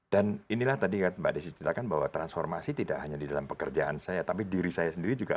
dan inilah tadi mbak desy cakapkan bahwa transformasi tidak hanya di dalam pekerjaan saya